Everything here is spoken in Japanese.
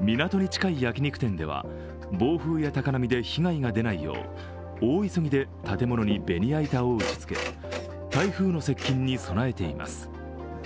港に近い焼き肉店では暴風や高波で被害が出ないよう、大急ぎで建物にベニヤ板を打ち付け、台風の接近に備えています。